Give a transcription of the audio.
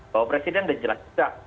bahwa presiden sudah jelas juga